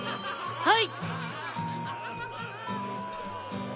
はい！